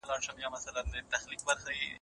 ایا ته نوې نظریې لرې؟